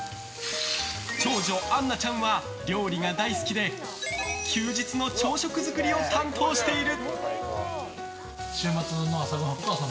長女・杏菜ちゃんは料理が大好きで休日の朝食作りを担当している。